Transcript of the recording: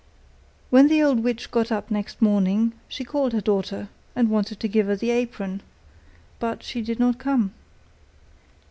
When the old witch got up next morning, she called her daughter, and wanted to give her the apron, but she did not come.